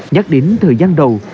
nhắc đến thời gian đầu